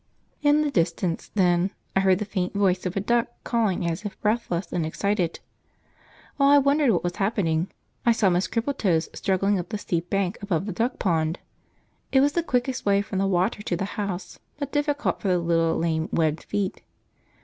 In the distance, then, I heard the faint voice of a duck calling as if breathless and excited. While I wondered what was happening, I saw Miss Crippletoes struggling up the steep bank above the duck pond. It was the quickest way from the water to the house, but difficult for the little lame webbed feet.